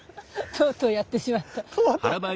とうとうやってしまった。